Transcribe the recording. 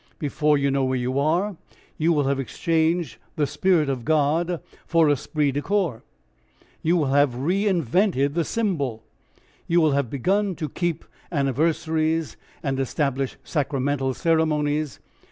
Before you know where you are you will have exchanged the spirit of God for ESPRIT DE CORPS. You will have reinvented the SYMBOL; you will have begun to keep anniversaries and establish sacramental ceremonies.